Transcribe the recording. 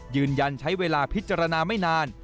ยืนยันใช้เวลาพิจารณาไม่นาน